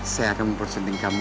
saya akan mempersenting kamu